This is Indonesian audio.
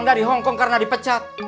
kita di hongkong karena di pecat